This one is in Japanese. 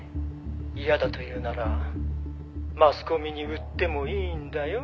「嫌だというならマスコミに売ってもいいんだよ？